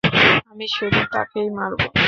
আমি শুধু তাকেই মারব।